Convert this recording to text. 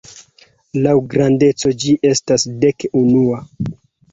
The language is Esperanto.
Laŭ grandeco ĝi estas dek-unua.